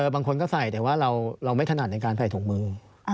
บางคนก็ใส่แต่ว่าเราไม่ถนัดในการใส่ถุงมือ